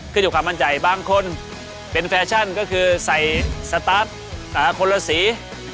ขึ้นอยู่กับความมั่นใจบางคนเป็นแฟชั่นก็คือใส่สตาร์ทคนละสี